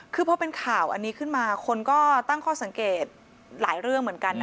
คือพอเป็นข่าวอันนี้ขึ้นมาคนก็ตั้งข้อสังเกตหลายเรื่องเหมือนกันนะ